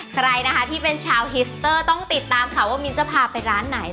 ใครนะคะที่เป็นชาวฮิสเตอร์ต้องติดตามค่ะว่ามิ้นจะพาไปร้านไหน